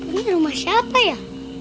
ini rumah siapa ya